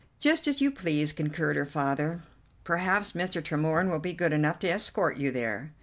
"Just as you please," concurred her father. "Perhaps Mr. Tremorne will be good enough to escort you there."